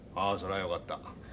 ああそれはよかった。